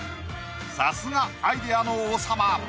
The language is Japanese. さすがアイデアの王様。